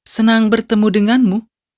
senang bertemu denganmu